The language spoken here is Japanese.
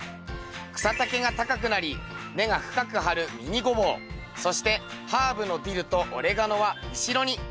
草丈が高くなり根が深く張るミニゴボウそしてハーブのディルとオレガノは後ろに。